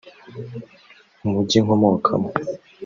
umujyi nkomokamo